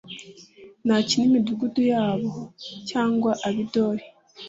naki n imidugudu yaho cyangwa ab i dori